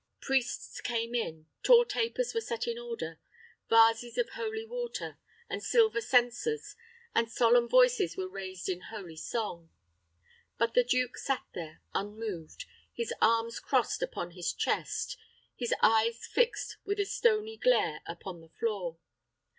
Priests came in, tall tapers were set in order, vases of holy water, and silver censers, and solemn voices were raised in holy song. But the duke sat there unmoved; his arms crossed upon his chest; his eyes fixed with a stony glare upon the floor.